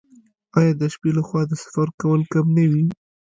آیا د شپې لخوا د سفر کول کم نه وي؟